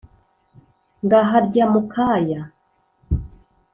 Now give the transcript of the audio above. ngaharya mukaya